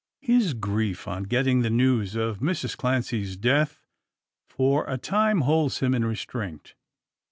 His grief, on getting the news of Mrs Clancy's death, for a time holds him in restraint.